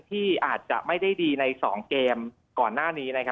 ที่อาจจะไม่ได้ดีในสองเกมก่อนหน้านี้นะครับ